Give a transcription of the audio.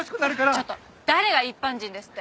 ちょっと誰が一般人ですって？